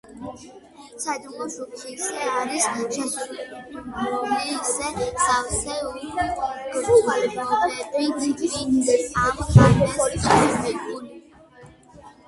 საიდუმლო შუქითისე არის შესუდრული ისე სავსე უხვ გრძნობებით ვით ამ ღამეს ჩემი გული